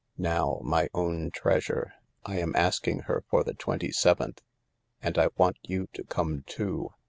Now, my own treasure, I am asking her for the twenty seventh, and I want you to come too.